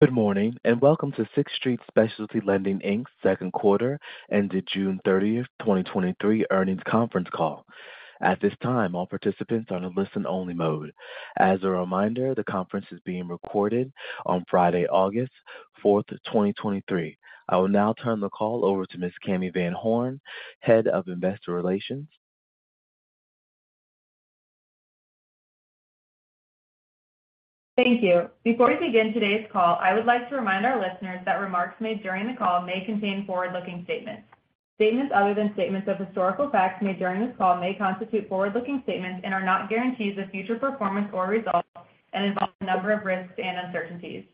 Good morning, welcome to Sixth Street Specialty Lending, Inc.'s second quarter ended June 30th, 2023 earnings conference call. At this time, all participants are on a listen-only mode. As a reminder, the conference is being recorded on Friday, August 4th, 2023. I will now turn the call over to Miss Cami Van Horn, Head of Investor Relations. Thank you. Before we begin today's call, I would like to remind our listeners that remarks made during the call may contain forward-looking statements. Statements other than statements of historical facts made during this call may constitute forward-looking statements and are not guarantees of future performance or results and involve a number of risks and uncertainties.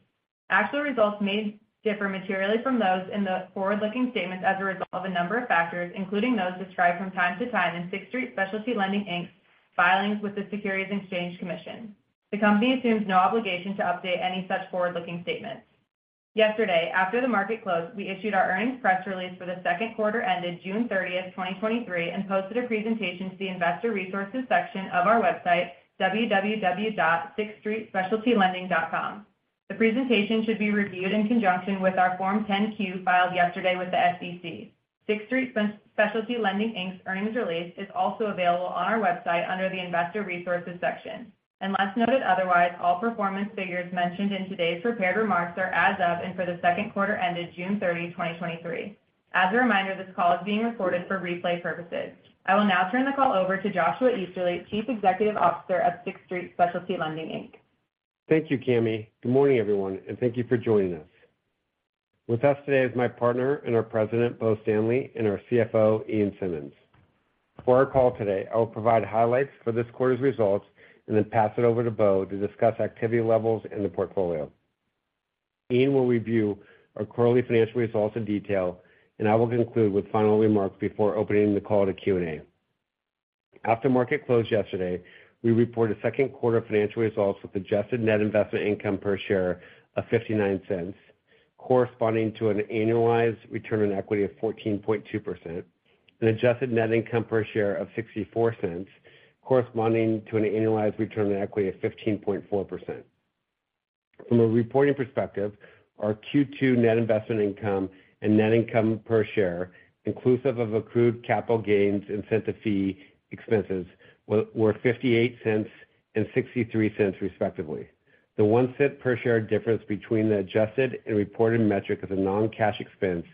Actual results may differ materially from those in the forward-looking statements as a result of a number of factors, including those described from time to time in Sixth Street Specialty Lending, Inc's filings with the Securities and Exchange Commission. The company assumes no obligation to update any such forward-looking statements. Yesterday, after the market closed, we issued our earnings press release for the second quarter ended June 30th, 2023, and posted a presentation to the Investor Resources section of our website, www.sixthstreetspecialtylending.com. The presentation should be reviewed in conjunction with our Form 10-Q filed yesterday with the SEC. Sixth Street Specialty Lending, Inc's earnings release is also available on our website under the Investor Resources section. Unless noted otherwise, all performance figures mentioned in today's prepared remarks are as of and for the second quarter ended June 30, 2023. As a reminder, this call is being recorded for replay purposes. I will now turn the call over to Joshua Easterly, Chief Executive Officer of Sixth Street Specialty Lending, Inc. Thank you, Cami. Good morning, everyone, and thank you for joining us. With us today is my partner and our President, Bo Stanley, and our CFO, Ian Simmonds. For our call today, I will provide highlights for this quarter's results and then pass it over to Bo to discuss activity levels in the portfolio. Ian will review our quarterly financial results in detail, and I will conclude with final remarks before opening the call to Q&A. After market closed yesterday, we reported second quarter financial results with adjusted net investment income per share of $0.59, corresponding to an annualized return on equity of 14.2%, and adjusted net income per share of $0.64, corresponding to an annualized return on equity of 15.4%. From a reporting perspective, our Q2 net investment income and net income per share, inclusive of accrued capital gains and sense of fee expenses, were $0.58 and $0.63, respectively. The $0.01 per share difference between the adjusted and reported metric is a non-cash expense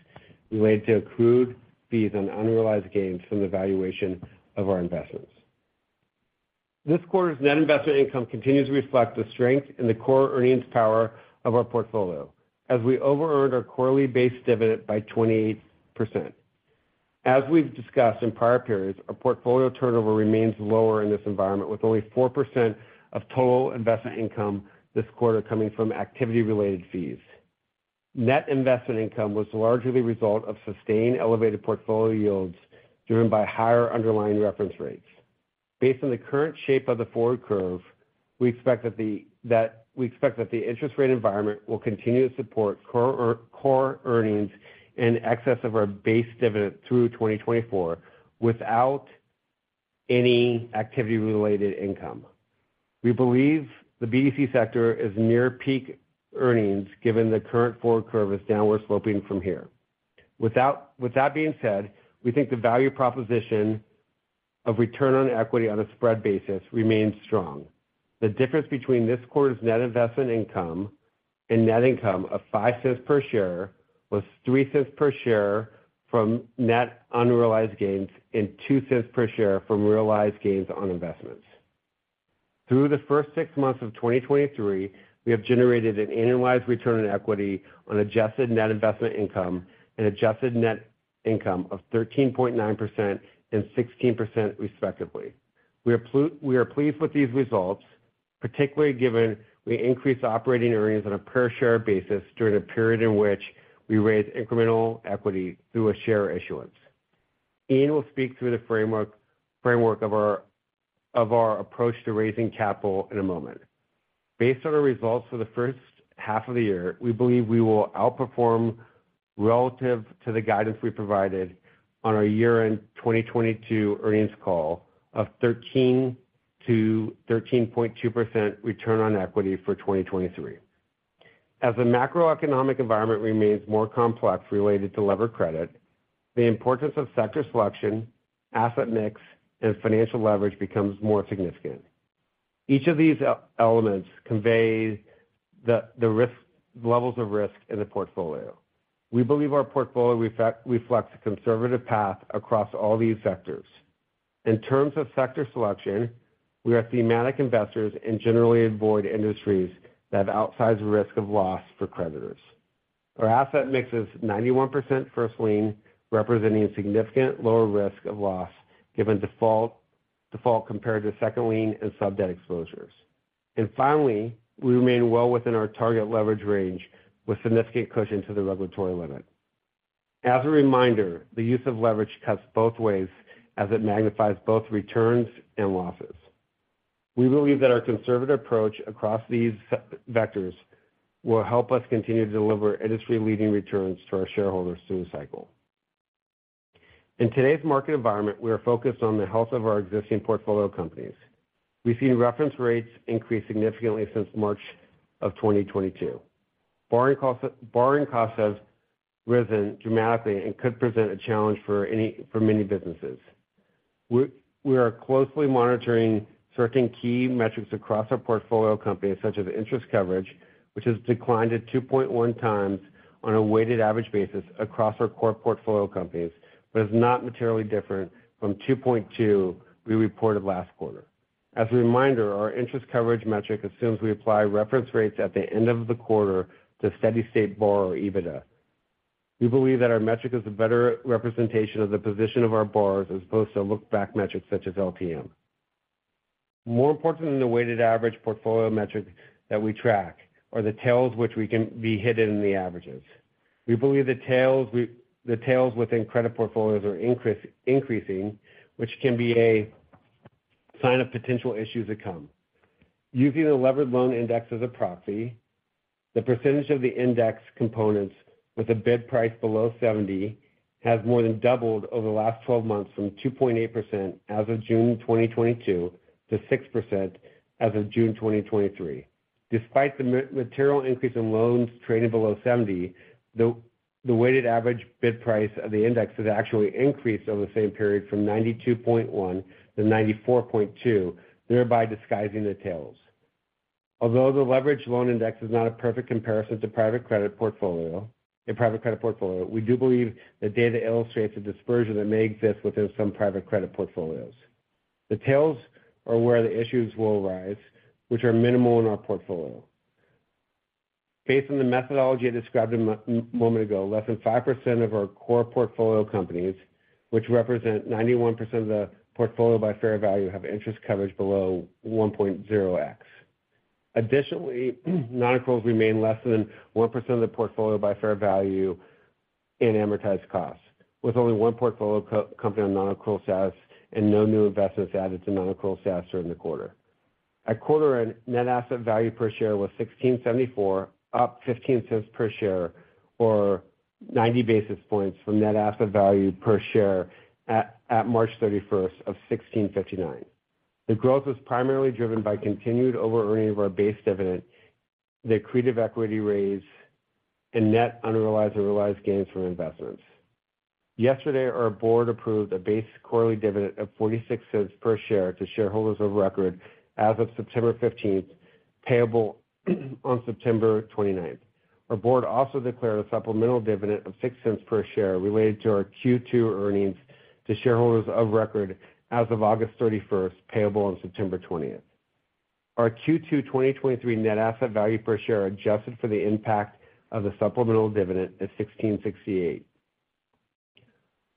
related to accrued fees on unrealized gains from the valuation of our investments. This quarter's net investment income continues to reflect the strength in the core earnings power of our portfolio, as we overearned our quarterly base dividend by 28%. As we've discussed in prior periods, our portfolio turnover remains lower in this environment, with only 4% of total investment income this quarter coming from activity-related fees. Net investment income was largely the result of sustained elevated portfolio yields, driven by higher underlying reference rates. Based on the current shape of the forward curve, we expect that the interest rate environment will continue to support core earnings in excess of our base dividend through 2024 without any activity-related income. We believe the BDC sector is near peak earnings, given the current forward curve is downward sloping from here. With that being said, we think the value proposition of return on equity on a spread basis remains strong. The difference between this quarter's net investment income and net income of $0.05 per share was $0.03 per share from net unrealized gains and $0.02 per share from realized gains on investments. Through the first six months of 2023, we have generated an annualized return on equity on adjusted net investment income and adjusted net income of 13.9% and 16%, respectively. We are pleased with these results, particularly given we increased operating earnings on a per-share basis during a period in which we raised incremental equity through a share issuance. Ian will speak through the framework of our approach to raising capital in a moment. Based on our results for the first half of the year, we believe we will outperform relative to the guidance we provided on our year-end 2022 earnings call of 13%-13.2% return on equity for 2023. As the macroeconomic environment remains more complex related to lever credit, the importance of sector selection, asset mix, and financial leverage becomes more significant. Each of these elements conveys levels of risk in the portfolio. We believe our portfolio reflects a conservative path across all these vectors. In terms of sector selection, we are thematic investors and generally avoid industries that have outsized risk of loss for creditors. Our asset mix is 91% first lien, representing a significant lower risk of loss given default compared to second lien and sub-debt exposures. Finally, we remain well within our target leverage range with significant cushion to the regulatory limit. As a reminder, the use of leverage cuts both ways as it magnifies both returns and losses. We believe that our conservative approach across these vectors will help us continue to deliver industry-leading returns to our shareholders through the cycle. In today's market environment, we are focused on the health of our existing portfolio of companies. We've seen reference rates increase significantly since March of 2022. Borrowing costs, borrowing costs has risen dramatically and could present a challenge for any for many businesses. We are closely monitoring certain key metrics across our portfolio companies, such as interest coverage, which has declined to 2.1 times on a weighted average basis across our core portfolio companies, but is not materially different from 2.2 we reported last quarter. As a reminder, our interest coverage metric assumes we apply reference rates at the end of the quarter to steady state borrower EBITDA. We believe that our metric is a better representation of the position of our borrowers, as opposed to a look-back metric such as LTM. More important than the weighted average portfolio metric that we track are the tails, which we can be hidden in the averages. We believe the tails within credit portfolios are increasing, which can be a sign of potential issues to come. Using the Leveraged Loan Index as a proxy, the percentage of the index components with a bid price below 70 has more than doubled over the last 12 months, from 2.8% as of June 2022 to 6% as of June 2023. Despite the material increase in loans trading below 70, the weighted average bid price of the index has actually increased over the same period from 92.1 to 94.2, thereby disguising the tails. Although the Leveraged Loan Index is not a perfect comparison to a private credit portfolio, we do believe the data illustrates a dispersion that may exist within some private credit portfolios. The tails are where the issues will arise, which are minimal in our portfolio. Based on the methodology I described a moment ago, less than 5% of our core portfolio companies, which represent 91% of the portfolio by fair value, have interest coverage below 1.0x. Additionally, non-accruals remain less than 1% of the portfolio by fair value in amortized costs, with only one portfolio company on non-accrual status and no new investments added to non-accrual status during the quarter. Our quarter-end net asset value per share was $16.74, up $0.15 per share, or 90 basis points from net asset value per share at March 31st of $16.59. The growth was primarily driven by continued overearning of our base dividend, the accretive equity raise, and net unrealized and realized gains from investments. Yesterday, our board approved a base quarterly dividend of $0.46 per share to shareholders of record as of September 15th, payable on September 29th. Our board also declared a supplemental dividend of $0.06 per share related to our Q2 earnings to shareholders of record as of August 31st, payable on September 20th. Our Q2 2023 net asset value per share, adjusted for the impact of the supplemental dividend, is $16.68.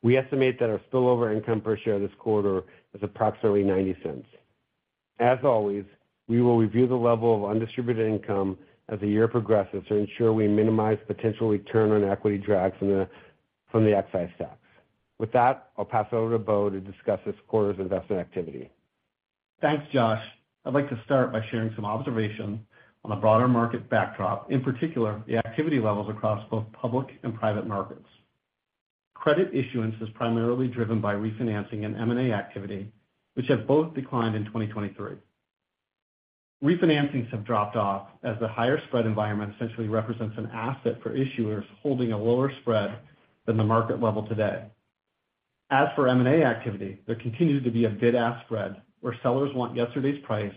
We estimate that our spillover income per share this quarter is approximately $0.90. As always, we will review the level of undistributed income as the year progresses to ensure we minimize potential return on equity drags from the excise tax. With that, I'll pass it over to Bo to discuss this quarter's investment activity. Thanks, Josh. I'd like to start by sharing some observations on the broader market backdrop, in particular, the activity levels across both public and private markets. Credit issuance is primarily driven by refinancing and M&A activity, which have both declined in 2023. Refinancings have dropped off as the higher spread environment essentially represents an asset for issuers holding a lower spread than the market level today. As for M&A activity, there continues to be a bid-ask spread, where sellers want yesterday's price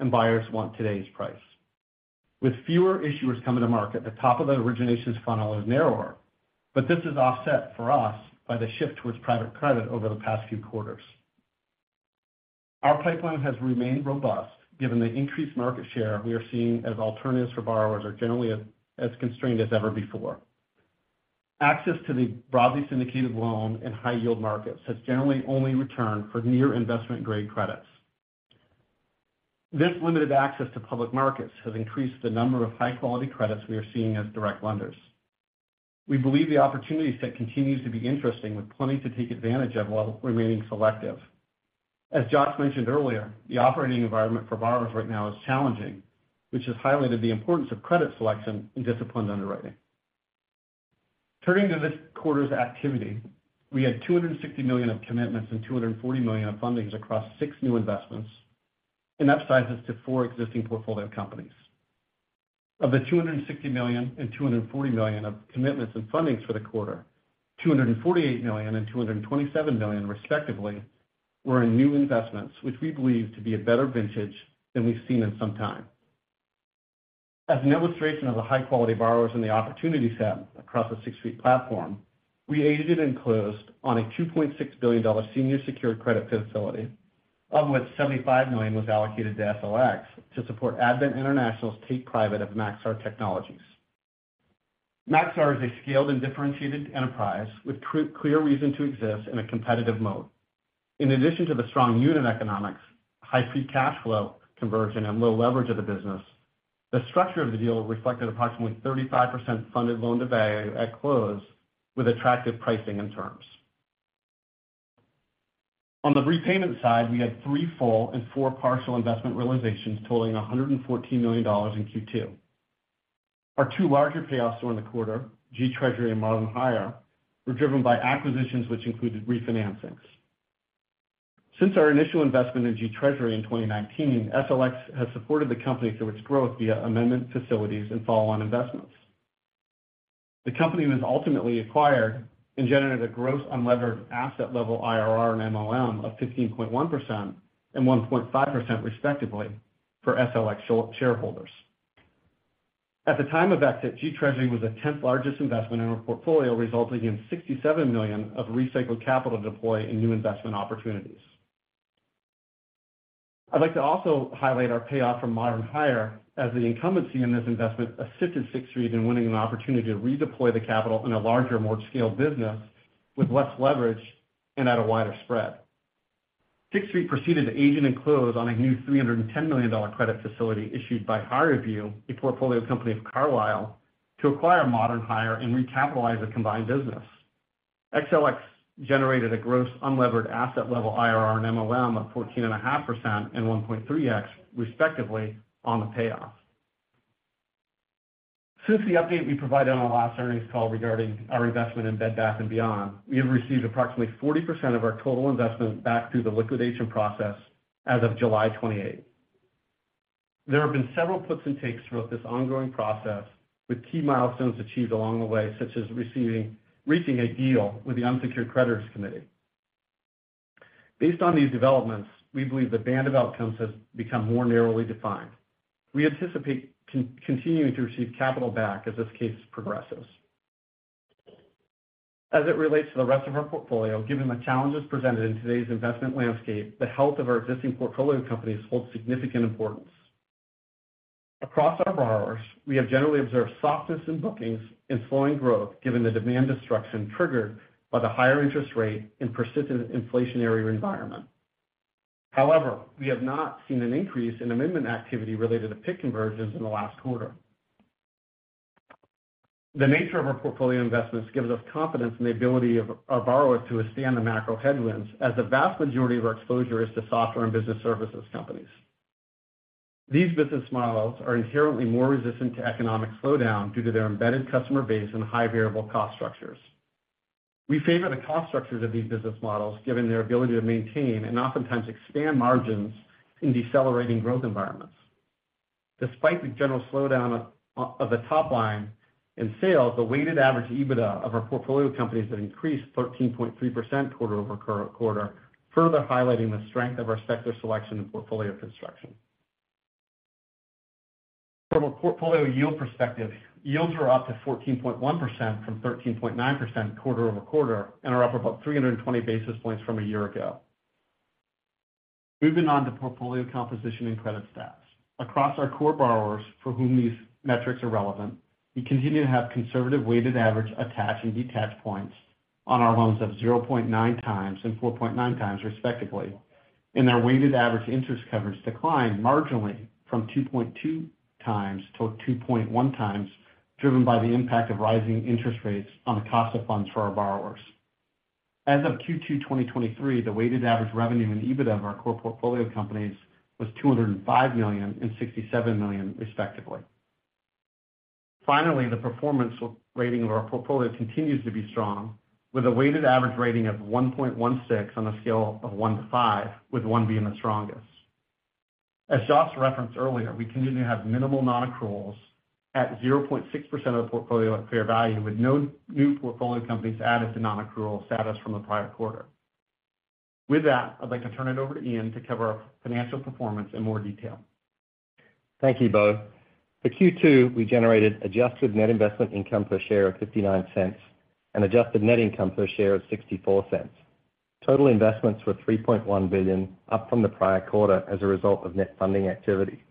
and buyers want today's price. With fewer issuers coming to market, the top of the originations funnel is narrower. This is offset for us by the shift towards private credit over the past few quarters. Our pipeline has remained robust, given the increased market share we are seeing as alternatives for borrowers are generally as constrained as ever before. Access to the broadly syndicated loan and high yield markets has generally only returned for near investment-grade credits. This limited access to public markets has increased the number of high-quality credits we are seeing as direct lenders. We believe the opportunity set continues to be interesting, with plenty to take advantage of while remaining selective. As Josh mentioned earlier, the operating environment for borrowers right now is challenging, which has highlighted the importance of credit selection and disciplined underwriting. Turning to this quarter's activity, we had $260 million of commitments and $240 million of fundings across six new investments, and upsizes to four existing portfolio companies. Of the $260 million and $240 million of commitments and fundings for the quarter, $248 million and $227 million, respectively, were in new investments, which we believe to be a better vintage than we've seen in some time. As an illustration of the high-quality borrowers and the opportunity set across the Sixth Street platform, we aided and closed on a $2.6 billion senior secured credit facility, of which $75 million was allocated to SLX to support Advent International's take private of Maxar Technologies. Maxar is a scaled and differentiated enterprise with clear reason to exist in a competitive moat. In addition to the strong unit economics, high free cash flow conversion, and low leverage of the business, the structure of the deal reflected approximately 35% funded loan to value at close, with attractive pricing and terms. On the repayment side, we had three full and four partial investment realizations totaling $114 million in Q2. Our two larger payoffs during the quarter, GTreasury and Modern Hire, were driven by acquisitions which included refinancings. Since our initial investment in GTreasury in 2019, SLX has supported the company through its growth via amendment facilities and follow-on investments. The company was ultimately acquired and generated a gross unlevered asset level IRR and MoM of 15.1% and 1.5%, respectively, for SLX shareholders. At the time of exit, GTreasury was the 10th largest investment in our portfolio, resulting in $67 million of recycled capital to deploy in new investment opportunities. I'd like to also highlight our payoff from Modern Hire, as the incumbency in this investment assisted Sixth Street in winning an opportunity to redeploy the capital in a larger, more scaled business with less leverage and at a wider spread. Sixth Street proceeded to agent and close on a new $310 million credit facility issued by HireVue, a portfolio company of Carlyle, to acquire Modern Hire and recapitalize the combined business. TSLX generated a gross unlevered asset level IRR and MOIC of 14.5% and 1.3x, respectively, on the payoff. Since the update we provided on our last earnings call regarding our investment in Bed Bath & Beyond, we have received approximately 40% of our total investment back through the liquidation process as of July 28th. There have been several puts and takes throughout this ongoing process, with key milestones achieved along the way, such as reaching a deal with the unsecured creditors committee. Based on these developments, we believe the band of outcomes has become more narrowly defined. We anticipate continuing to receive capital back as this case progresses. As it relates to the rest of our portfolio, given the challenges presented in today's investment landscape, the health of our existing portfolio companies holds significant importance. Across our borrowers, we have generally observed softness in bookings and slowing growth, given the demand destruction triggered by the higher interest rate and persistent inflationary environment. However, we have not seen an increase in amendment activity related to PIK conversions in the last quarter. The nature of our portfolio investments gives us confidence in the ability of our borrowers to withstand the macro headwinds, as the vast majority of our exposure is to software and business services companies. These business models are inherently more resistant to economic slowdown due to their embedded customer base and high variable cost structures. We favor the cost structures of these business models, given their ability to maintain and oftentimes expand margins in decelerating growth environments. Despite the general slowdown of the top line in sales, the weighted average EBITDA of our portfolio companies have increased 13.3% quarter-over-quarter, further highlighting the strength of our sector selection and portfolio construction. From a portfolio yield perspective, yields are up to 14.1% from 13.9% quarter-over-quarter, and are up about 320 basis points from a year ago. Moving on to portfolio composition and credit stats. Across our core borrowers for whom these metrics are relevant, we continue to have conservative weighted average attach and detach points on our loans of 0.9x and 4.9x, respectively, and our weighted average interest coverage declined marginally from 2.2x to 2.1x, driven by the impact of rising interest rates on the cost of funds for our borrowers. As of Q2 2023, the weighted average revenue and EBITDA of our core portfolio companies was $205 million and $67 million, respectively. Finally, the performance rating of our portfolio continues to be strong, with a weighted average rating of 1.16 on a scale of 1 to 5, with 1 being the strongest. As Josh referenced earlier, we continue to have minimal nonaccruals at 0.6% of the portfolio at fair value, with no new portfolio companies added to nonaccrual status from the prior quarter. With that, I'd like to turn it over to Ian to cover our financial performance in more detail. Thank you, Bo. For Q2, we generated adjusted net investment income per share of $0.59 and adjusted net income per share of $0.64. Total investments were $3.1 billion, up from the prior quarter as a result of net funding activity.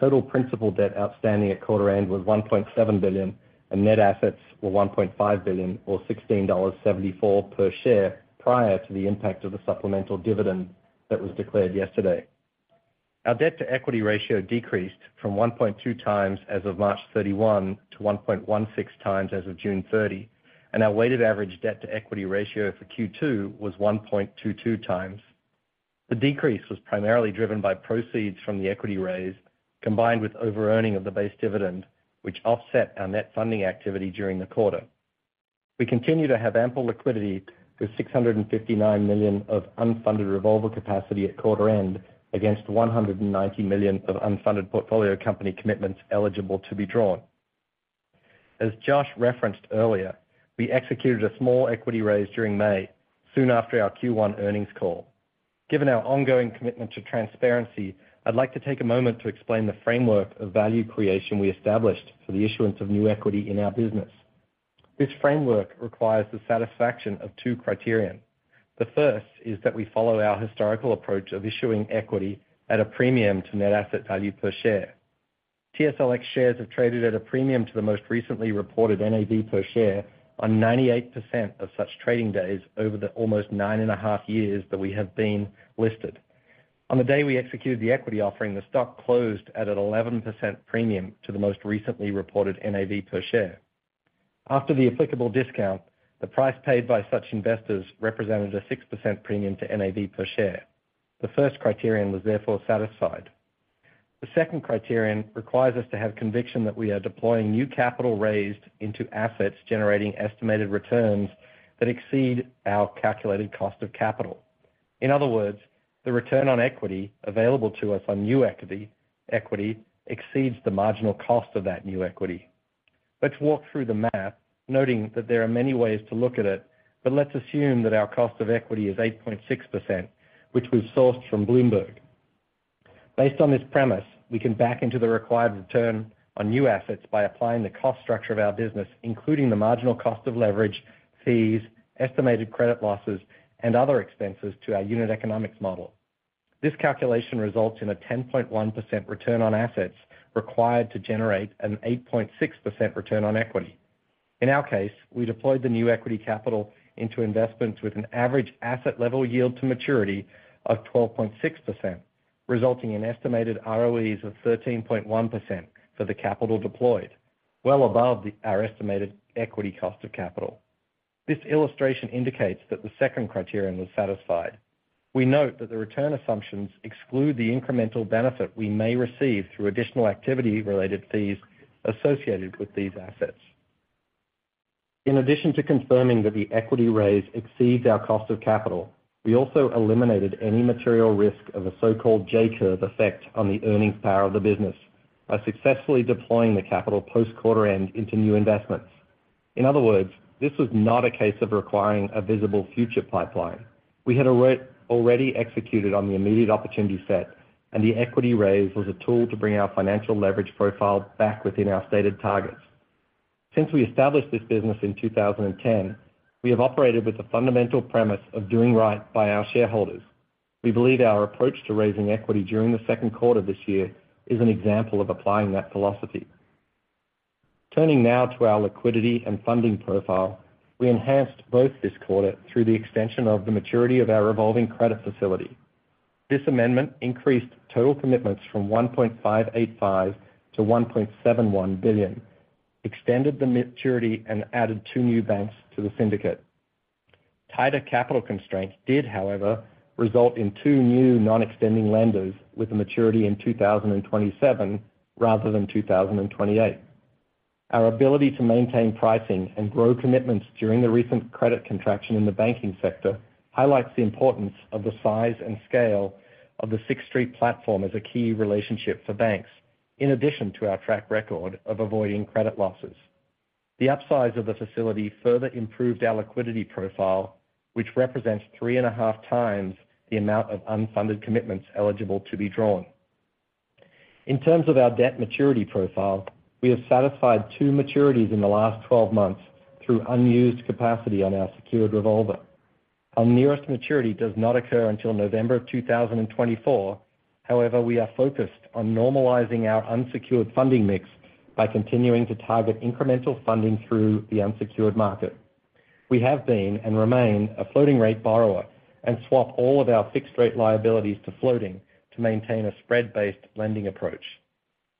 Total principal debt outstanding at quarter end was $1.7 billion, and net assets were $1.5 billion, or $16.74 per share, prior to the impact of the supplemental dividend that was declared yesterday. Our debt-to-equity ratio decreased from 1.2x as of March 31 to 1.16x as of June 30, and our weighted average debt-to-equity ratio for Q2 was 1.22x. The decrease was primarily driven by proceeds from the equity raise, combined with overearning of the base dividend, which offset our net funding activity during the quarter. We continue to have ample liquidity with $659 million of unfunded revolver capacity at quarter end, against $190 million of unfunded portfolio company commitments eligible to be drawn. As Josh referenced earlier, we executed a small equity raise during May, soon after our Q1 earnings call. Given our ongoing commitment to transparency, I'd like to take a moment to explain the framework of value creation we established for the issuance of new equity in our business. This framework requires the satisfaction of two criterion. The first is that we follow our historical approach of issuing equity at a premium to net asset value per share. TSLX shares have traded at a premium to the most recently reported NAV per share on 98% of such trading days over the almost nine and a half years that we have been listed. On the day we executed the equity offering, the stock closed at an 11% premium to the most recently reported NAV per share. After the applicable discount, the price paid by such investors represented a 6% premium to NAV per share. The first criterion was therefore satisfied. The second criterion requires us to have conviction that we are deploying new capital raised into assets, generating estimated returns that exceed our calculated cost of capital. In other words, the return on equity available to us on new equity, equity exceeds the marginal cost of that new equity. Let's walk through the math, noting that there are many ways to look at it, but let's assume that our cost of equity is 8.6%, which was sourced from Bloomberg. Based on this premise, we can back into the required return on new assets by applying the cost structure of our business, including the marginal cost of leverage, fees, estimated credit losses, and other expenses to our unit economics model. This calculation results in a 10.1% return on assets required to generate an 8.6% return on equity. In our case, we deployed the new equity capital into investments with an average asset level yield to maturity of 12.6%, resulting in estimated ROEs of 13.1% for the capital deployed, well above our estimated equity cost of capital. This illustration indicates that the second criterion was satisfied. We note that the return assumptions exclude the incremental benefit we may receive through additional activity-related fees associated with these assets. In addition to confirming that the equity raise exceeds our cost of capital, we also eliminated any material risk of a so-called J-curve effect on the earnings power of the business, by successfully deploying the capital post quarter end into new investments. In other words, this was not a case of requiring a visible future pipeline. We had already executed on the immediate opportunity set, and the equity raise was a tool to bring our financial leverage profile back within our stated targets. Since we established this business in 2010, we have operated with the fundamental premise of doing right by our shareholders. We believe our approach to raising equity during the second quarter this year is an example of applying that philosophy. Turning now to our liquidity and funding profile, we enhanced both this quarter through the extension of the maturity of our revolving credit facility. This amendment increased total commitments from $1.585 billion-$1.71 billion, extended the maturity and added two new banks to the syndicate. Tighter capital constraints did, however, result in two new non-extending lenders with a maturity in 2027 rather than 2028. Our ability to maintain pricing and grow commitments during the recent credit contraction in the banking sector, highlights the importance of the size and scale of the Sixth Street platform as a key relationship for banks, in addition to our track record of avoiding credit losses. The upsize of the facility further improved our liquidity profile, which represents three and a half times the amount of unfunded commitments eligible to be drawn. In terms of our debt maturity profile, we have satisfied two maturities in the last 12 months through unused capacity on our secured revolver. Our nearest maturity does not occur until November 2024. We are focused on normalizing our unsecured funding mix by continuing to target incremental funding through the unsecured market. We have been, and remain, a floating rate borrower. Swap all of our fixed rate liabilities to floating to maintain a spread-based lending approach.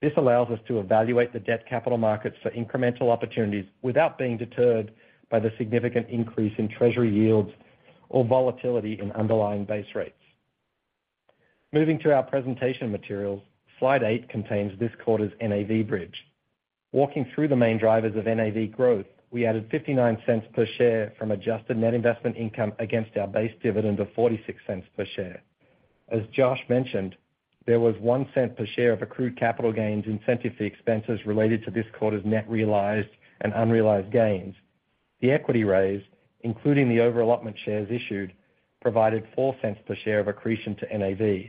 This allows us to evaluate the debt capital markets for incremental opportunities without being deterred by the significant increase in treasury yields or volatility in underlying base rates. Moving to our presentation materials, slide eight contains this quarter's NAV bridge. Walking through the main drivers of NAV growth, we added $0.59 per share from adjusted net investment income against our base dividend of $0.46 per share. As Josh mentioned, there was $0.01 per share of accrued capital gains, incentive fee expenses related to this quarter's net realized and unrealized gains. The equity raise, including the over-allotment shares issued, provided $0.04 per share of accretion to NAV.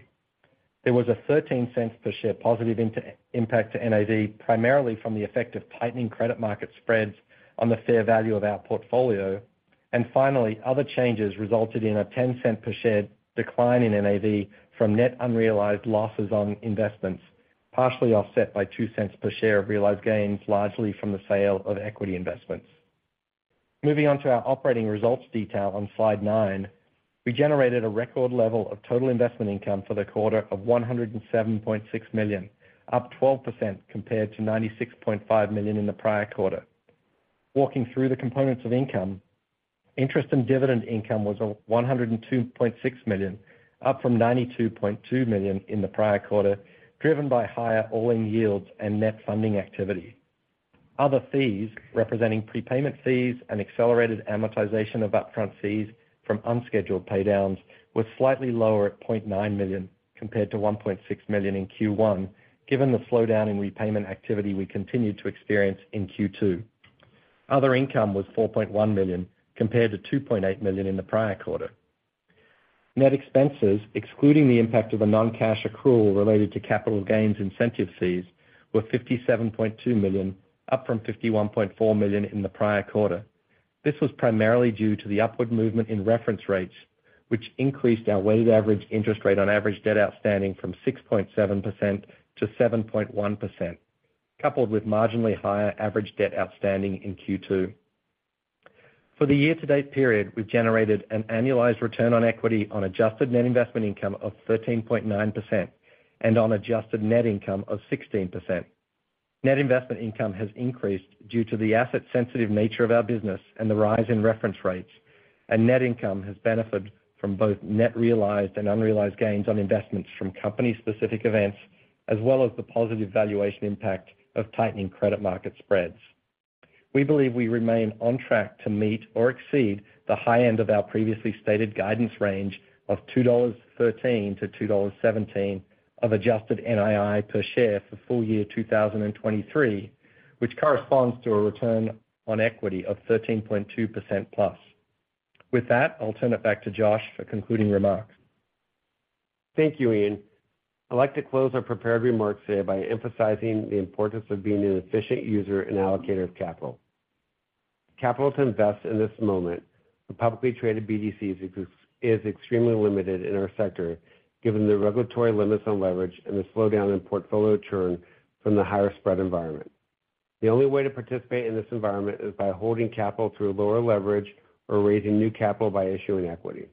There was a $0.13 per share positive inter- impact to NAV, primarily from the effect of tightening credit market spreads on the fair value of our portfolio. Finally, other changes resulted in a $0.10 per share decline in NAV from net unrealized losses on investments, partially offset by $0.02 per share of realized gains, largely from the sale of equity investments. Moving on to our operating results detail on slide 9. We generated a record level of total investment income for the quarter of $107.6 million, up 12% compared to $96.5 million in the prior quarter. Walking through the components of income, interest and dividend income was $102.6 million, up from $92.2 million in the prior quarter, driven by higher all-in yields and net funding activity. Other fees, representing prepayment fees and accelerated amortization of upfront fees from unscheduled pay downs, were slightly lower at $0.9 million compared to $1.6 million in Q1, given the slowdown in repayment activity we continued to experience in Q2. Other income was $4.1 million, compared to $2.8 million in the prior quarter. Net expenses, excluding the impact of a non-cash accrual related to capital gains incentive fees, were $57.2 million, up from $51.4 million in the prior quarter. This was primarily due to the upward movement in reference rates, which increased our weighted average interest rate on average debt outstanding from 6.7% to 7.1%, coupled with marginally higher average debt outstanding in Q2. For the year-to-date period, we've generated an annualized return on equity on adjusted net investment income of 13.9% and on adjusted net income of 16%. Net investment income has increased due to the asset-sensitive nature of our business and the rise in reference rates, net income has benefited from both net realized and unrealized gains on investments from company-specific events, as well as the positive valuation impact of tightening credit market spreads. We believe we remain on track to meet or exceed the high end of our previously stated guidance range of $2.13-$2.17 of adjusted NII per share for full year 2023, which corresponds to a return on equity of 13.2%+. With that, I'll turn it back to Josh for concluding remarks. Thank you, Ian. I'd like to close our prepared remarks today by emphasizing the importance of being an efficient user and allocator of capital. Capital to invest in this moment for publicly traded BDCs is extremely limited in our sector, given the regulatory limits on leverage and the slowdown in portfolio churn from the higher spread environment. The only way to participate in this environment is by holding capital through lower leverage or raising new capital by issuing equity.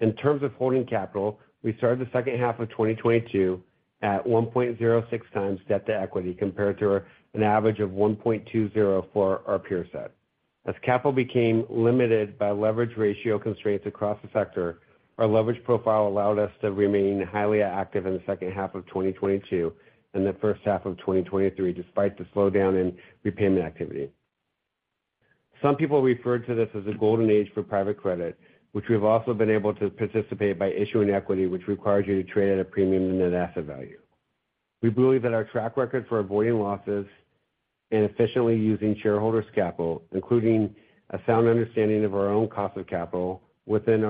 In terms of holding capital, we started the second half of 2022 at 1.06 times debt-to-equity, compared to an average of 1.20 for our peer set. As capital became limited by leverage ratio constraints across the sector, our leverage profile allowed us to remain highly active in the second half of 2022 and the first half of 2023, despite the slowdown in repayment activity. Some people referred to this as a golden age for private credit, which we've also been able to participate by issuing equity, which requires you to trade at a premium in net asset value. We believe that our track record for avoiding losses and efficiently using shareholders' capital, including a sound understanding of our own cost of capital within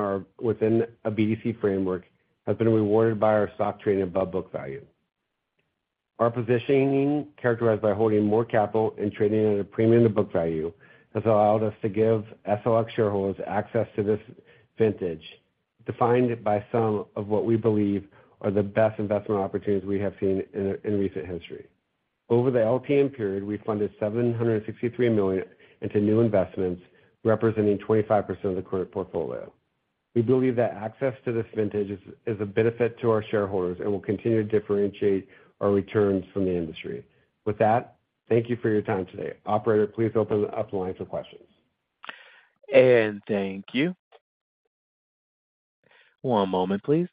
a BDC framework, has been rewarded by our stock trading above book value. Our positioning, characterized by holding more capital and trading at a premium to book value, has allowed us to give SLX shareholders access to this vintage, defined by some of what we believe are the best investment opportunities we have seen in, in recent history. Over the LTM period, we funded $763 million into new investments, representing 25% of the current portfolio. We believe that access to this vintage is, is a benefit to our shareholders and will continue to differentiate our returns from the industry. With that, thank you for your time today. Operator, please open up the line for questions. Thank you. One moment, please.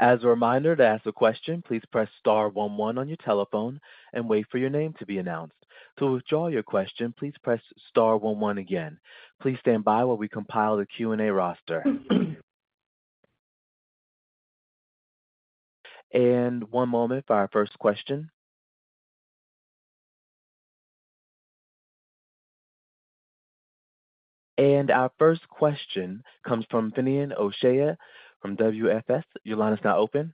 As a reminder, to ask a question, please press star 11 on your telephone and wait for your name to be announced. To withdraw your question, please press star 11 again. Please stand by while we compile the Q&A roster. One moment for our first question. Our first question comes from Finian O'Shea from WFS. Your line is now open.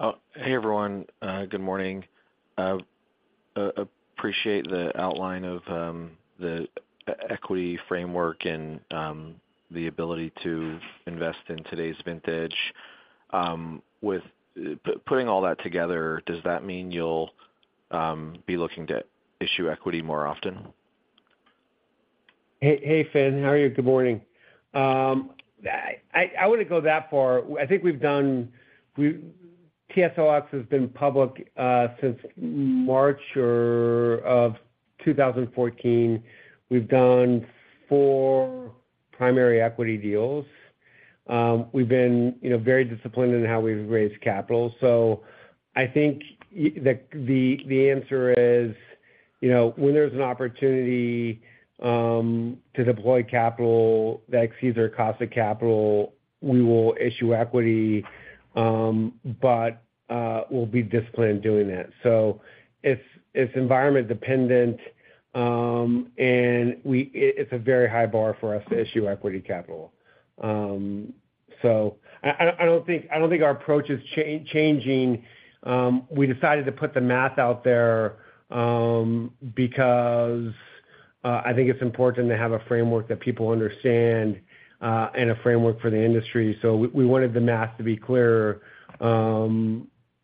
Oh, hey, everyone, good morning. Appreciate the outline of the e-equity framework and the ability to invest in today's vintage. With putting all that together, does that mean you'll be looking to issue equity more often? Hey, hey, Fin. How are you? Good morning. I, I wouldn't go that far. I think we've done, we, TSLX has been public, since March or of 2014. We've done four primary equity deals. We've been, you know, very disciplined in how we've raised capital. I think the answer is, you know, when there's an opportunity, to deploy capital that exceeds our cost of capital, we will issue equity, but we'll be disciplined in doing that. It's, it's environment dependent, and we, it's a very high bar for us to issue equity capital. So I, I, I don't think, I don't think our approach is changing. We decided to put the math out there, because I think it's important to have a framework that people understand, and a framework for the industry. We, we wanted the math to be clearer,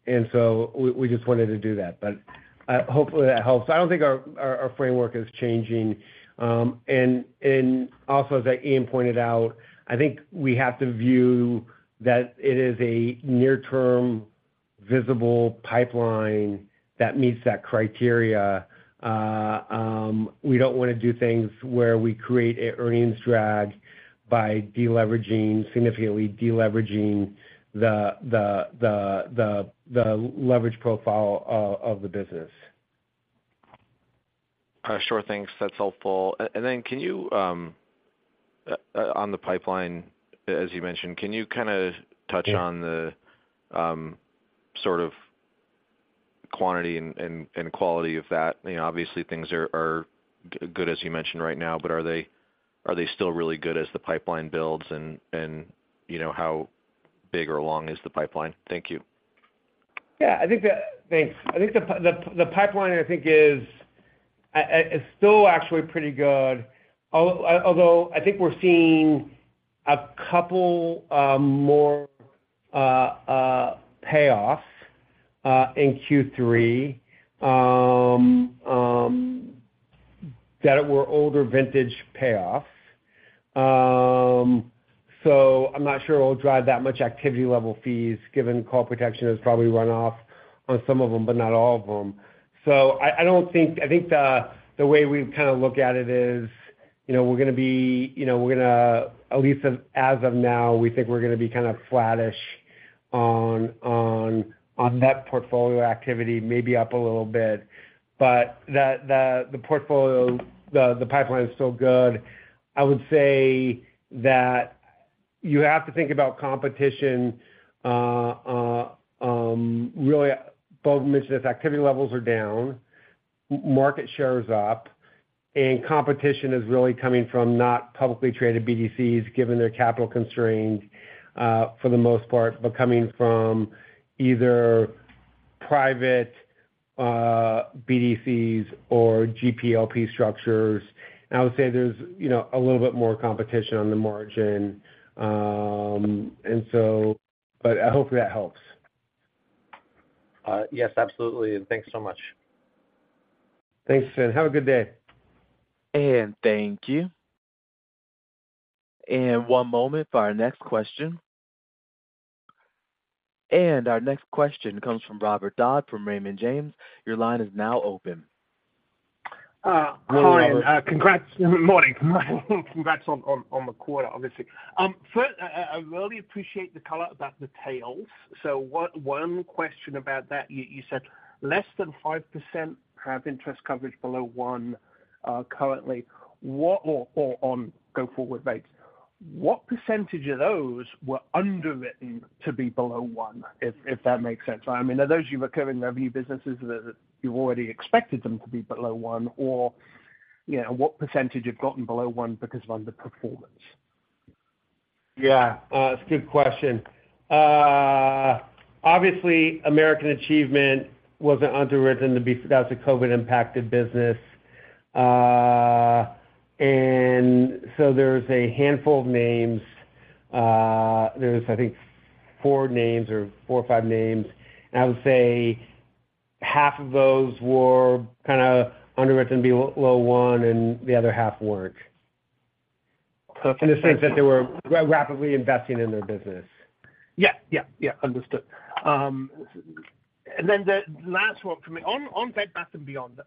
and so we, we just wanted to do that, but hopefully that helps. I don't think our, our, our framework is changing. Also, as Ian pointed out, I think we have to view that it is a near-term, visible pipeline that meets that criteria. We don't wanna do things where we create a earnings drag by deleveraging, significantly deleveraging the, the, the, the, the leverage profile of the business. Sure. Thanks. That's helpful. Then can you, on the pipeline, as you mentioned, can you kinda touch on the- Yeah... sort of quantity and quality of that? You know, obviously, things are good, as you mentioned right now, but are they, are they still really good as the pipeline builds? You know, how big or long is the pipeline? Thank you. I think, thanks. I think the pipeline, I think, is still actually pretty good, although I think we're seeing a couple more payoffs in Q3 that were older vintage payoffs. I'm not sure it'll drive that much activity level fees, given call protection has probably run off on some of them, but not all of them. I think the way we've kind of look at it is, you know, we're gonna be, you know, we're gonna at least as of now, we think we're gonna be kind of flattish on that portfolio activity, maybe up a little bit. The portfolio, the pipeline is still good. I would say that you have to think about competition, really, both mentioned this, activity levels are down, market share is up, and competition is really coming from not publicly traded BDCs, given their capital constraints, for the most part, but coming from either private, BDCs or GPLP structures. I would say there's, you know, a little bit more competition on the margin. I hope that helps. Yes, absolutely. Thanks so much. Thanks, Fin. Have a good day. Thank you. One moment for our next question. Our next question comes from Robert Dodd, from Raymond James. Your line is now open. Hi, and congrats. Good morning. Congrats on, on, on the quarter, obviously. First, I, I really appreciate the color about the tails. One, one question about that: You, you said less than 5% have interest coverage below one currently. Or, or on go-forward rates, what percentage of those were underwritten to be below one? If, if that makes sense. I mean, are those your recurring revenue businesses that you already expected them to be below one, or, you know, what percentage have gotten below one because of underperformance? Yeah, it's a good question. obviously, American Achievement wasn't underwritten to be... That was a COVID-impacted business. So there's a handful of names. there's, I think, four names or four or five names. I would say half of those were kinda underwritten to be low one and the other half weren't. In the sense that they were rapidly investing in their business. Yeah, yeah, yeah. Understood. Then the last one for me, on, on Bed Bath & Beyond,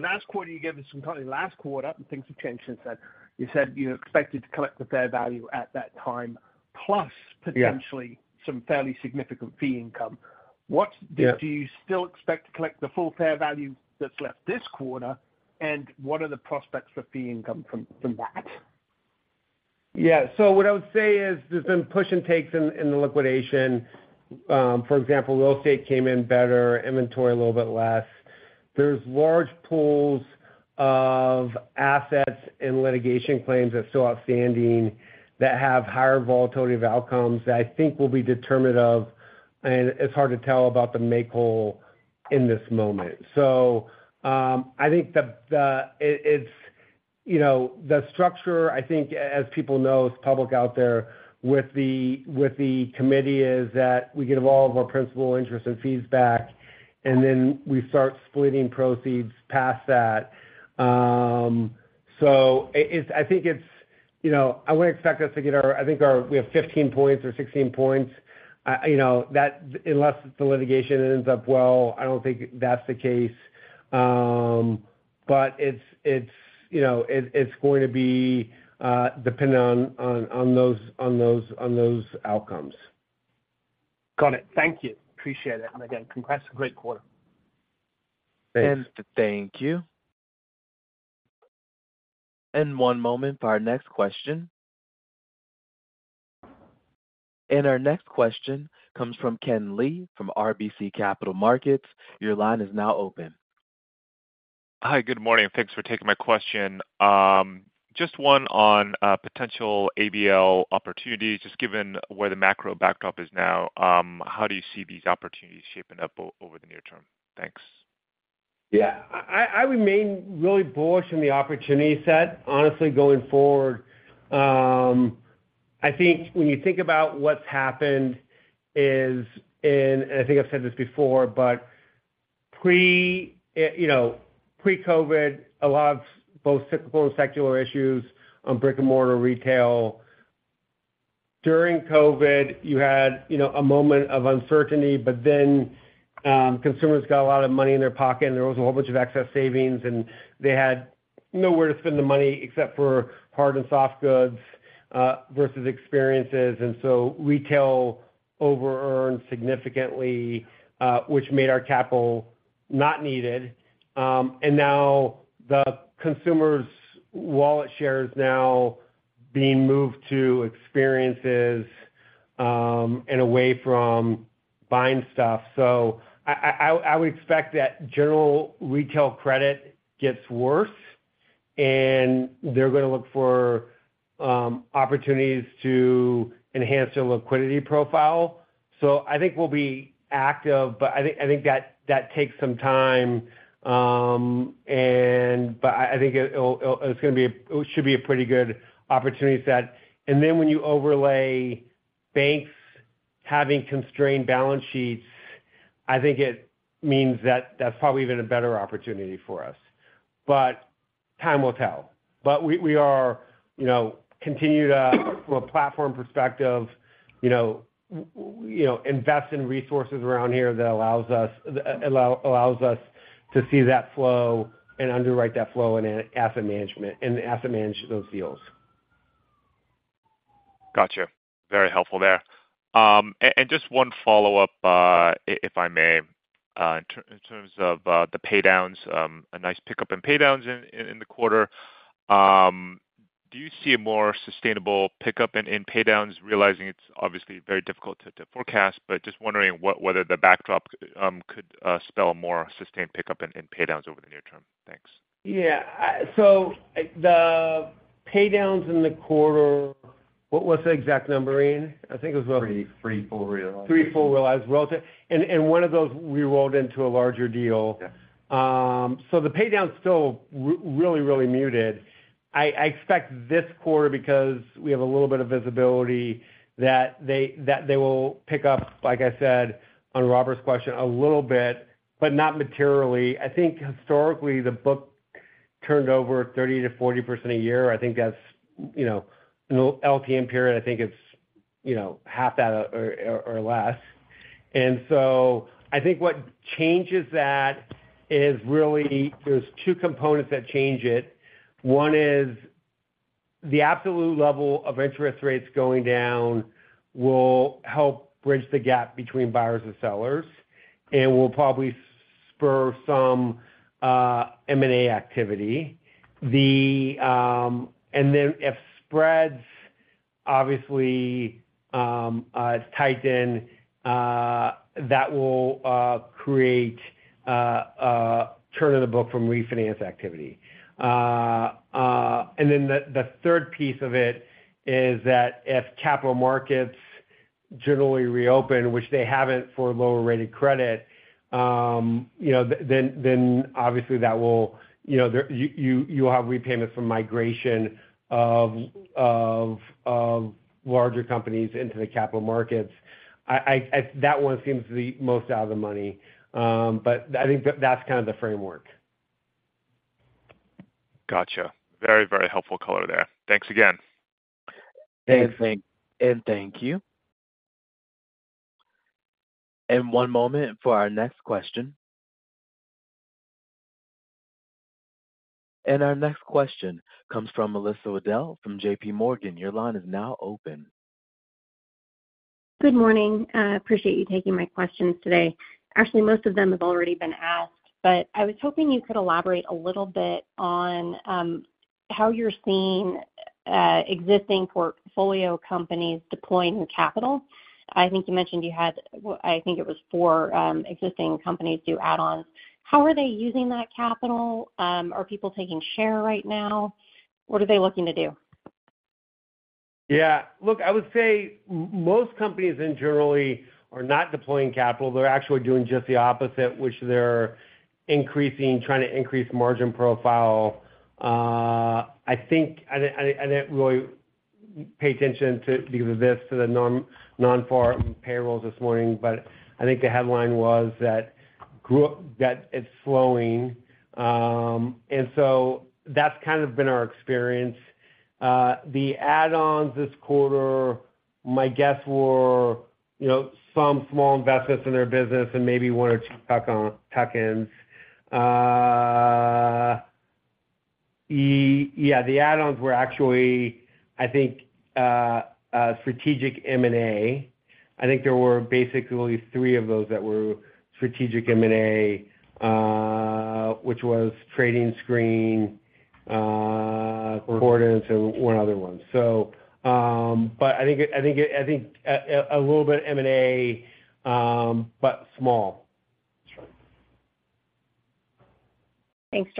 last quarter, you gave us some color. Last quarter, and things have changed since then, you said you expected to collect the fair value at that time, plus- Yeah. potentially some fairly significant fee income. Yeah. Do you still expect to collect the full fair value that's left this quarter? What are the prospects for fee income from that? Yeah. What I would say is, there's been push and takes in, in the liquidation. For example, real estate came in better, inventory a little bit less. There's large pools of assets and litigation claims that are still outstanding, that have higher volatility of outcomes that I think will be determined of, and it's hard to tell about the make whole in this moment. I think the, the, it, it's, you know, the structure, I think as people know, it's public out there with the, with the committee, is that we get all of our principal interest and fees back, and then we start splitting proceeds past that. It, it's I think it's, you know, I wouldn't expect us to get our, I think, our we have 15 points or 16 points. You know, that unless the litigation ends up well, I don't think that's the case. It's, you know, it's going to be dependent on those outcomes. Got it. Thank you. Appreciate it. Again, congrats, a great quarter. Thanks. Thank you. One moment for our next question. Our next question comes from Ken Lee, from RBC Capital Markets. Your line is now open. Hi, good morning, and thanks for taking my question. Just one on potential ABL opportunities. Just given where the macro backdrop is now, how do you see these opportunities shaping up over the near term? Thanks. Yeah, I, I remain really bullish on the opportunity set. Honestly, going forward, I think when you think about what's happened is, and, and I think I've said this before, but pre- you know, pre-COVID, a lot of both cyclical and secular issues on brick-and-mortar retail. During COVID, you had, you know, a moment of uncertainty, but then consumers got a lot of money in their pocket, and there was a whole bunch of excess savings, and they had nowhere to spend the money except for hard and soft goods, versus experiences. So retail overearned significantly, which made our capital not needed. Now the consumers' wallet share is now being moved to experiences, and away from buying stuff. I, I, I would expect that general retail credit gets worse, and they're gonna look for opportunities to enhance their liquidity profile. I think we'll be active, but I think, I think that, that takes some time. But I, I think it's gonna be a, it should be a pretty good opportunity set. Then when you overlay banks having constrained balance sheets... I think it means that that's probably even a better opportunity for us, but time will tell. We, we are, you know, continue to, from a platform perspective, you know, invest in resources around here that allows us to see that flow and underwrite that flow and asset management, and asset manage those deals. Got you. Very helpful there. Just one follow-up, if I may, in terms of the pay downs, a nice pickup in pay downs in the quarter. Do you see a more sustainable pickup in pay downs, realizing it's obviously very difficult to forecast, but just wondering what whether the backdrop could spell a more sustained pickup in pay downs over the near term? Thanks. Yeah. The pay downs in the quarter, what was the exact number, Ian? I think it was about... 3, 3, full realize. Three, full realize, relative. One of those we rolled into a larger deal. Yes. The pay down's still really, really muted. I, I expect this quarter, because we have a little bit of visibility, that they, that they will pick up, like I said, on Robert's question, a little bit, but not materially. I think historically, the book turned over 30%-40% a year. I think that's, you know, in the LTM period, I think it's, you know, half that or, or, or less. I think what changes that is really there's two components that change it. One is the absolute level of interest rates going down will help bridge the gap between buyers and sellers and will probably spur some M&A activity. If spreads, obviously, tighten, that will create turn in the book from refinance activity. Then the, the third piece of it is that if capital markets generally reopen, which they haven't for lower-rated credit, you know, then, then obviously that will, you know, you will have repayments from migration of, of, of larger companies into the capital markets. That one seems the most out of the money, but I think that's kind of the framework. Got you. Very, very helpful color there. Thanks again. And thank- Thank you. One moment for our next question. Our next question comes from Melissa Wedel from JP Morgan. Your line is now open. Good morning. Appreciate you taking my questions today. Actually, most of them have already been asked. I was hoping you could elaborate a little bit on how you're seeing existing portfolio companies deploying capital. I think you mentioned you had, I think it was four existing companies do add-ons. How are they using that capital? Are people taking share right now? What are they looking to do? Yeah, look, I would say most companies in generally are not deploying capital. They're actually doing just the opposite, which they're increasing trying to increase margin profile. I think, I didn't, I didn't, I didn't really pay attention to, because of this, to the non-farm payrolls this morning, but I think the headline was that it's slowing. So that's kind of been our experience. The add-ons this quarter, my guess were, you know, some small investments in their business and maybe one or two tuck-ins. Yeah, the add-ons were actually, I think, strategic M&A. I think there were basically three of those that were strategic M&A, which was TradingScreen, coordinates and one other one. But I think I think a little bit M&A, but small. That's right. Thanks,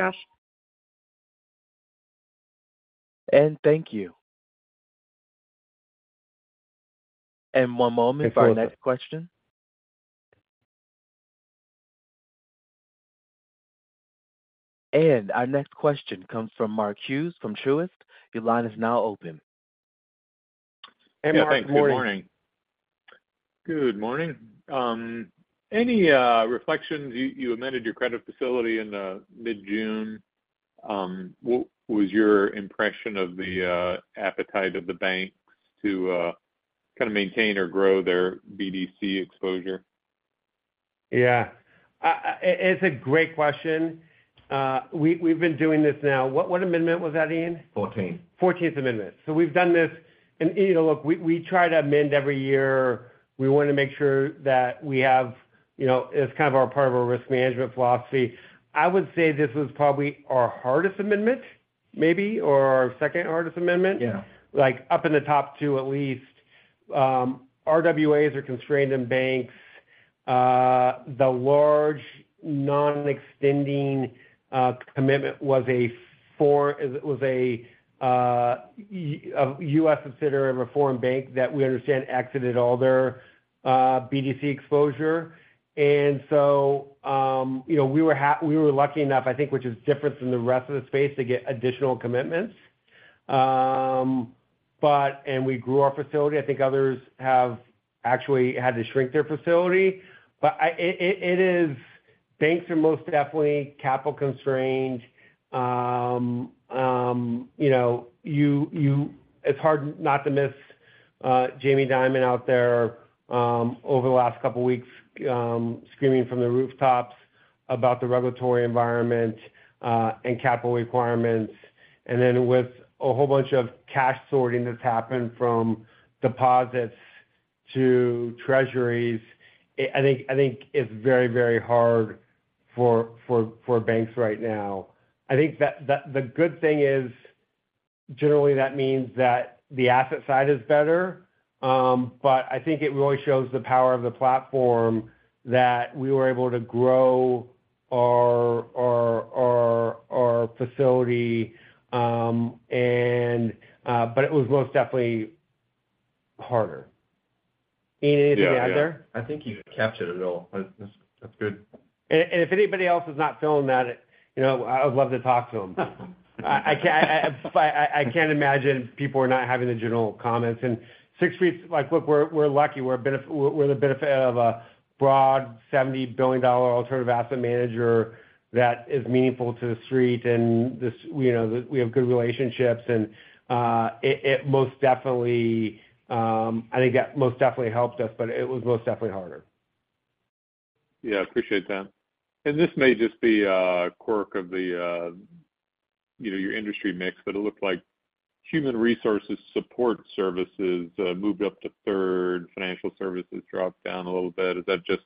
Josh. Thank you. One moment for our next question. Our next question comes from Mark Hughes from Truist. Your line is now open. Hey, Mark. Good morning. Good morning. Any reflections, you, you amended your credit facility in mid-June. What was your impression of the appetite of the banks to kind of maintain or grow their BDC exposure? Yeah. It's a great question. We, we've been doing this now... What, what amendment was that, Ian? Fourteenth. Fourteenth Amendment. We've done this and, you know, look, we, we try to amend every year. We want to make sure that we have, you know, it's kind of our part of our risk management philosophy. I would say this was probably our hardest amendment, maybe, or our second hardest amendment. Yeah. Like, up in the top two, at least. RWAs are constrained in banks. The large non-extending commitment was a U.S. consider a reform bank that we understand exited all their BDC exposure. You know, we were lucky enough, I think, which is different from the rest of the space, to get additional commitments.... And we grew our facility. I think others have actually had to shrink their facility. Banks are most definitely capital constrained. You know, it's hard not to miss Jamie Dimon out there, over the last two weeks, screaming from the rooftops about the regulatory environment and capital requirements. Then with a whole bunch of cash sorting that's happened from deposits to treasuries, I think, I think it's very, very hard for, for, for banks right now. I think that, that the good thing is, generally, that means that the asset side is better. I think it really shows the power of the platform that we were able to grow our, our, our, our facility, but it was most definitely harder. Ian, anything to add there? Yeah. I think you captured it all. That's, that's good. If anybody else is not feeling that, you know, I would love to talk to them. I, I can't, I, I can't imagine people are not having the general comments. Sixth Street, like, look, we're, we're lucky, we're the benefit of a broad $70 billion alternative asset manager that is meaningful to the street and this, you know, we have good relationships. It, it most definitely, I think that most definitely helped us, but it was most definitely harder. Yeah, appreciate that. This may just be a quirk of the, you know, your industry mix, but it looked like human resources support services, moved up to third, financial services dropped down a little bit. Is that just,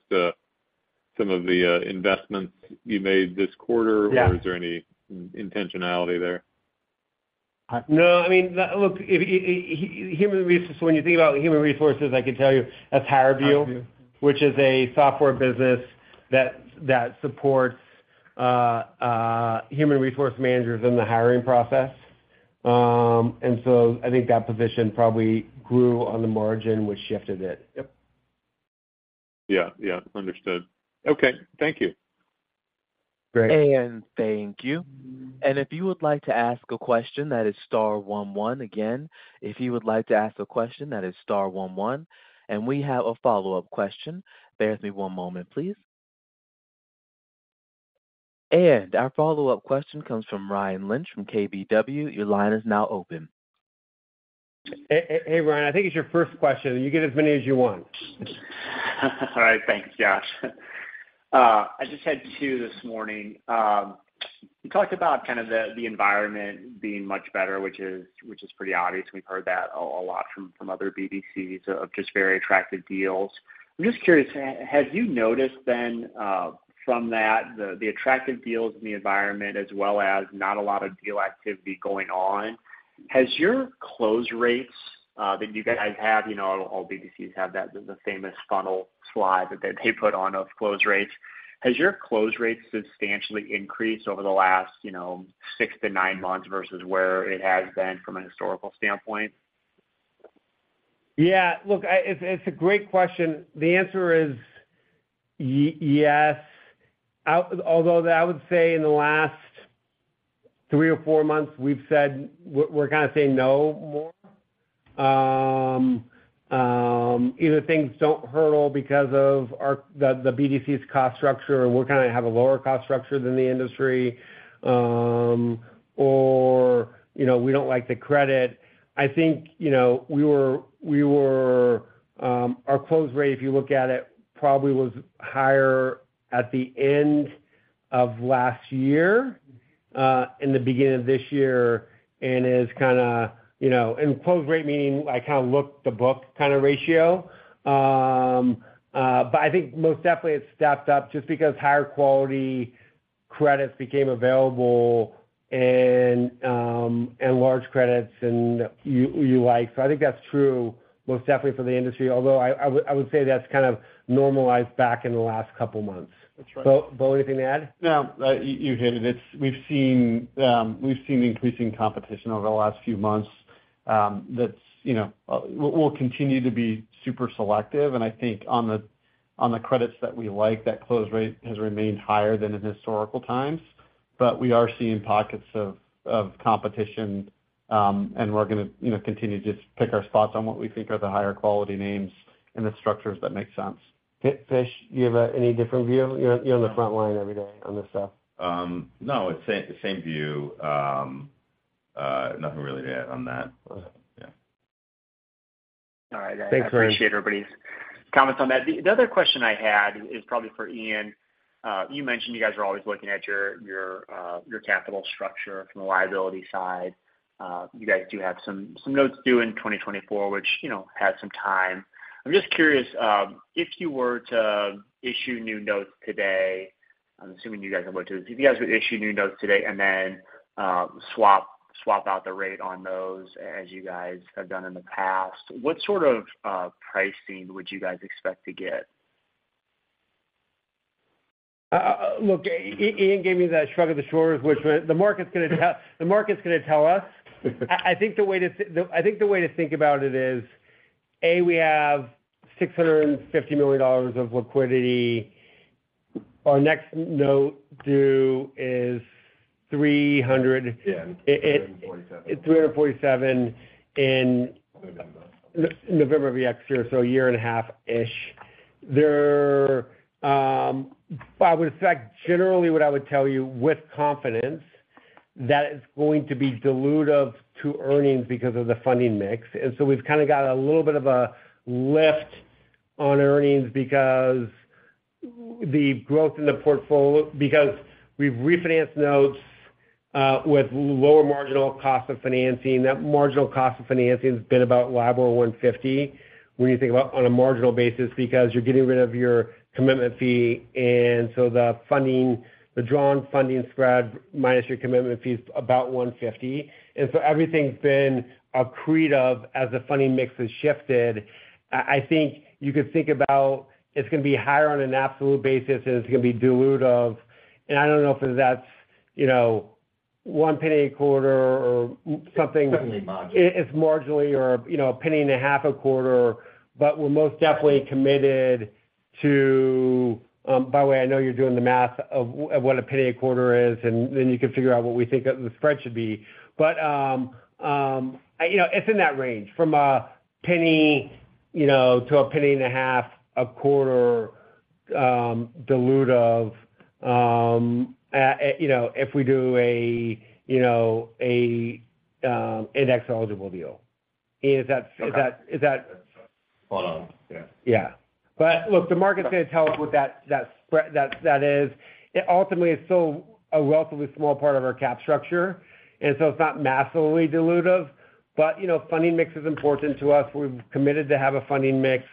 some of the, investments you made this quarter? Yeah. Is there any intentionality there? No, I mean, look, human resources, when you think about human resources, I can tell you that's HireVue. HireVue. which is a software business that, that supports, human resource managers in the hiring process. So I think that position probably grew on the margin, which shifted it. Yep. Yeah, yeah. Understood. Okay. Thank you. Great. Thank you. If you would like to ask a question, that is star one one. Again, if you would like to ask a question, that is star one one. We have a follow-up question. Bear with me one moment, please. Our follow-up question comes from Ryan Lynch, from KBW. Your line is now open. Hey, Hey, Ryan, I think it's your first question. You get as many as you want. All right. Thank you, Josh. I just had two this morning. You talked about kind of the, the environment being much better, which is, which is pretty obvious. We've heard that a lot from other BDCs of just very attractive deals. I'm just curious, have you noticed then, from that, the, the attractive deals in the environment as well as not a lot of deal activity going on, has your close rates that you guys have, you know, all BDCs have that, the famous funnel slide that they put on of close rates. Has your close rates substantially increased over the last, you know, six to nine months versus where it has been from a historical standpoint? Yeah, look, it's a great question. The answer is yes. Although I would say in the last three or four months, we've said... We're, we're kind of saying no more. Either things don't hurdle because of our, the, the BDCs cost structure, and we're going to have a lower cost structure than the industry, or, you know, we don't like the credit. I think, you know, we were, we were, our close rate, if you look at it, probably was higher at the end of last year, in the beginning of this year, and is kind of, you know, and close rate meaning, I kind of look-to-book kind of ratio. I think most definitely it stepped up just because higher quality credits became available and large credits, and you, you like. I think that's true, most definitely for the industry, although I would say that's kind of normalized back in the last couple of months. That's right. Bo, anything to add? No, you, you hit it. We've seen, we've seen increasing competition over the last few months, that's, you know, we'll, we'll continue to be super selective. I think on the, on the credits that we like, that close rate has remained higher than in historical times. We are seeing pockets of, of competition, and we're gonna, you know, continue to just pick our spots on what we think are the higher quality names and the structures that make sense. Fish, do you have any different view? You're, you're on the front line every day on this stuff. No, it's the same view. Nothing really to add on that. All right. Thanks, Ryan. I appreciate everybody's comments on that. The other question I had is probably for Ian. You mentioned you guys are always looking at your, your, your capital structure from a liability side. You guys do have some notes due in 2024, which, you know, has some time. I'm just curious, if you were to issue new notes today, I'm assuming you guys are about to. If you guys would issue new notes today and then swap, swap out the rate on those, as you guys have done in the past, what sort of pricing would you guys expect to get? Look, Ian gave me that shrug of the shoulders, which the market's gonna tell, the market's gonna tell us. I, I think the way to I think the way to think about it is, A, we have $650 million of liquidity...Our next note due is 300- Yeah, 347. 347 in- November. November of the next year, so a year and a half-ish. There, I would expect generally what I would tell you with confidence that it's going to be dilutive to earnings because of the funding mix. We've kind of got a little bit of a lift on earnings because the growth in the portfolio, because we've refinanced notes with lower marginal cost of financing. That marginal cost of financing has been about LIBOR + 150 when you think about on a marginal basis, because you're getting rid of your commitment fee. The funding, the drawn funding spread minus your commitment fee is about 150. Everything's been accretive as the funding mix has shifted. I, I think you could think about it's gonna be higher on an absolute basis, and it's gonna be dilutive. I don't know if that's, you know, $0.01 a quarter or something. Certainly marginal. It's marginally or, you know, $0.015 a quarter, but we're most definitely committed to... By the way, I know you're doing the math of what $0.01 a quarter is, and then you can figure out what we think the spread should be. You know, it's in that range from $0.01, you know, to $0.015, a quarter, dilutive, you know, if we do a, you know, a index-eligible deal. Is that- Okay. Is that? Hold on. Yeah. Yeah. Look, the market's gonna tell us what that, that spread, that, that is. It ultimately is still a relatively small part of our cap structure, and so it's not massively dilutive. You know, funding mix is important to us. We've committed to have a funding mix.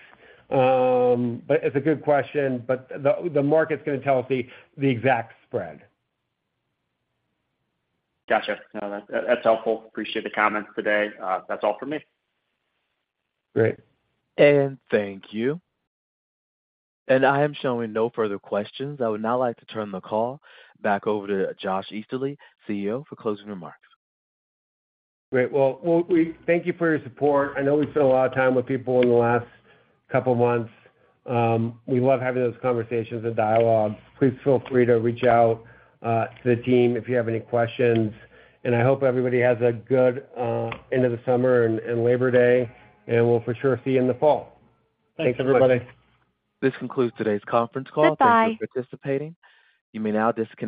It's a good question, but the, the market's gonna tell us the, the exact spread. Gotcha. No, that, that's helpful. Appreciate the comments today. That's all for me. Great. Thank you. I am showing no further questions. I would now like to turn the call back over to Joshua Easterly, CEO, for closing remarks. Great. Well, well, we thank you for your support. I know we spent a lot of time with people in the last couple of months. We love having those conversations and dialogue. Please feel free to reach out to the team if you have any questions, and I hope everybody has a good end of the summer and, and Labor Day, and we'll for sure see you in the fall. Thanks, everybody. This concludes today's conference call. Goodbye. Thanks for participating. You may now disconnect.